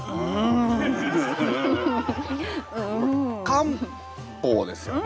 漢方ですよね？